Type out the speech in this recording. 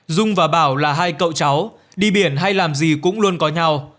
dung và bảo là hai cậu cháu đi biển hay làm gì cũng luôn có nhau